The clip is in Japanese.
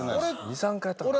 ２３回やったかな。